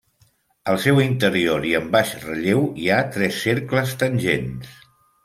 Al seu interior i en baix relleu hi ha tres cercles tangents.